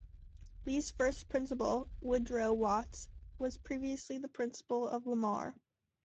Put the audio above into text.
Lee's first principal, Woodrow Watts, was previously the principal of Lamar.